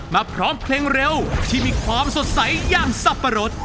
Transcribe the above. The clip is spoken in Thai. มาพร้อมเพลงเร็วที่มีความสดใสย่างสับปะรด